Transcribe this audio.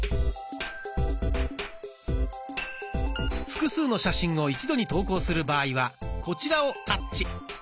複数の写真を一度に投稿する場合はこちらをタッチ。